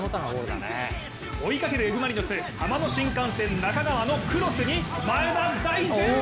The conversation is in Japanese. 追いかけるＦ・マリノスハマの新幹線、仲川のクロスに前田大然。